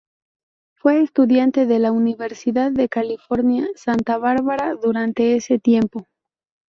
Fue estudiante de la Universidad de California, Santa Bárbara durante ese tiempo.